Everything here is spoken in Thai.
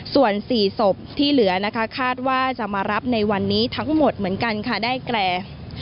ส่วน๔ศพที่เหลือนะคะคาดว่าจะมารับในวันนี้ทั้งหมดเหมือนกันค่ะได้แก่